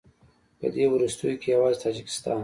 په دې وروستیو کې یوازې تاجکستان